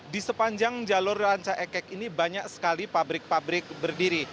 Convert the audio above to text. di sepanjang jalur ranca ekek ini banyak sekali pabrik pabrik berdiri